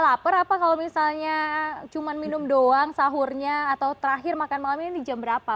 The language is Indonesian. lapar apa kalau misalnya cuma minum doang sahurnya atau terakhir makan malamnya ini jam berapa